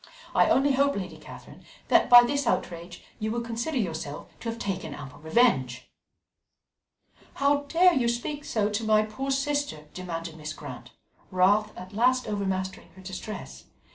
I only hope, Lady Catherine, that by this outrage you will consider yourself to have taken ample revenge." "How dare you speak so to my poor sister?" demanded Mrs. Grant, wrath at last overmastering her distress.